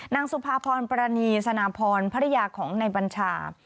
นางสุภาพรปรณีสนาพรภรรยาของนายบัญชา